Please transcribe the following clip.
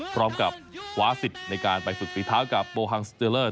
พร้อมกับคว้าสิทธิ์ในการไปฝึกฝีเท้ากับโบฮังสเตอร์เลอร์